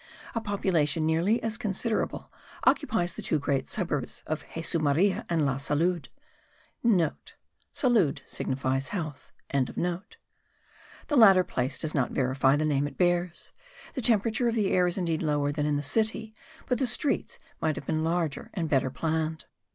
A population nearly as considerable occupies the two great suburbs of Jesu Maria and La Salud.* (* Salud signifies Health.) The latter place does not verify the name it bears; the temperature of the air is indeed lower than in the city but the streets might have been larger and better planned.